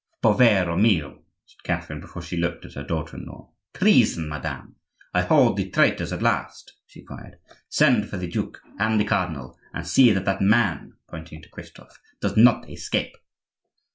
"Povero mio!" said Catherine, before she looked at her daughter in law. "Treason, madame! I hold the traitors at last," she cried. "Send for the duke and the cardinal; and see that that man," pointing to Christophe, "does not escape."